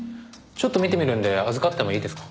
ちょっと見てみるんで預かってもいいですか？